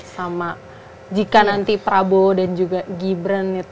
sama jika nanti prabowo dan jogja itu bisa diperdalam lagi gak